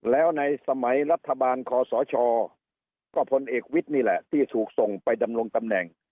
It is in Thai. แล้วในสมัยรัฐบาลคอสชก็พลเอกวิทย์นี่แหละที่ถูกส่งไปดำรงตำแหน่ง